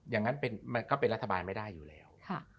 อย่างนั้นมันก็เป็นรัฐบาลไม่ได้อยู่แล้ว